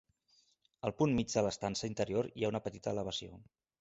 Al punt mig de l'estança interior hi ha una petita elevació.